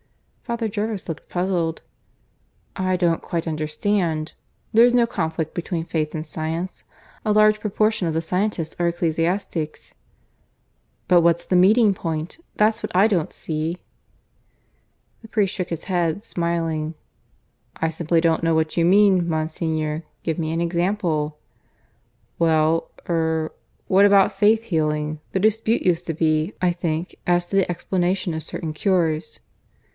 Father Jervis looked puzzled. "I don't quite understand. There's no conflict between Faith and Science. A large proportion of the scientists are ecclesiastics." "But what's the meeting point? That's what I don't see." The priest shook his head, smiling. "I simply don't know what you mean, Monsignor. Give me an example." "Well ... er ... what about Faith healing? The dispute used to be, I think, as to the explanation of certain cures.